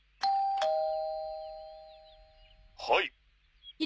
「はい」